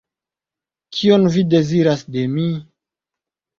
Kion Vi deziras de mi?